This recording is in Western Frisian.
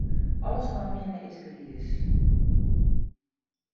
Alles om him hinne is griis.